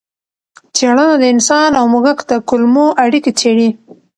څېړنه د انسان او موږک د کولمو اړیکې څېړي.